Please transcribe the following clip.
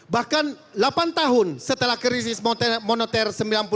bahkan delapan tahun setelah krisis moneter sembilan puluh sembilan